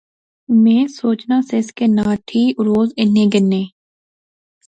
میں سوچنا سیس کہ ناٹھی روز اینے گینے